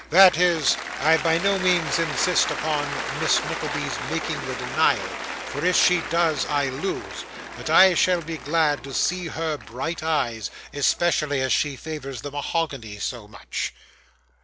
'That is, I by no means insist upon Miss Nickleby's making the denial, for if she does, I lose; but I shall be glad to see her bright eyes, especially as she favours the mahogany so much.